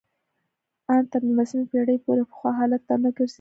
ان تر نولسمې پېړۍ پورې پخوا حالت ته ونه ګرځېده